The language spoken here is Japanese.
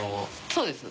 そうです。